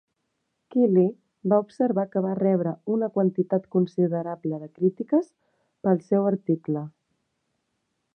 Keely va observar que va rebre una quantitat considerable de crítiques pel seu article.